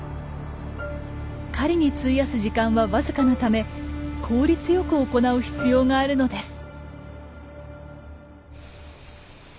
狩りに費やす時間は僅かなため効率よく行う必要があるのです。